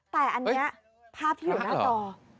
แต่อันนี้ภาพที่อยู่หน้าต่อพระเหรอ